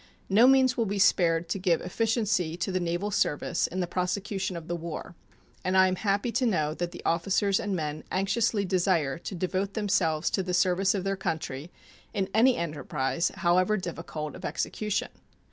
No means will be spared to give efficiency to the naval service in the prosecution of the war; and I am happy to know that the officers and men anxiously desire to devote themselves to the service of their country in any enterprise, however difficult of execution.